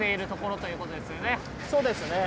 そうですね。